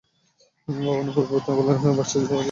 ভবনে পূর্ববর্তী ভবনের অনেক ভাস্কর্য ব্যবহার করা হয়েছে।